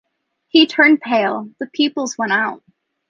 He turned pale, the pupils went out.